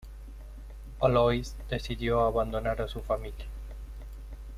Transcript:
Alois decidió abandonar a su familia.